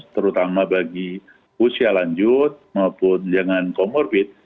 terutama bagi usia lanjut maupun dengan comorbid